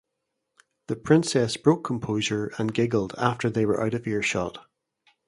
The princess broke composure and giggled after they were out of earshot.